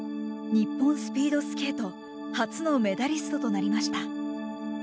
日本スピードスケート初のメダリストとなりました。